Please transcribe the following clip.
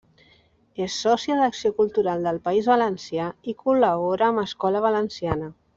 És sòcia d’Acció Cultural del País Valencià i col·labora amb Escola Valenciana.